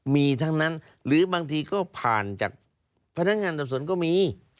มีทั้งนั้นหรือบางทีก็ผ่านจากพนักงานสอบสวนก็มี